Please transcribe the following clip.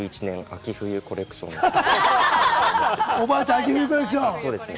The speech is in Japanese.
秋・冬コレクションです。